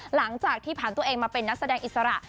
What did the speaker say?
หลังจากที่ผ่านตัวเองมาเป็นนักแสดงอิสระ